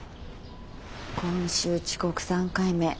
今週遅刻３回目。